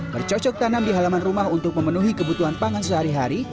bercocok tanam di halaman rumah untuk memenuhi kebutuhan pangan sehari hari